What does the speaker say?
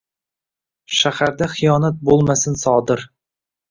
Shaharda xiyonat bo‘lmasin sodir.